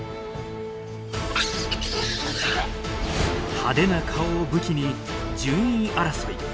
派手な顔を武器に順位争い。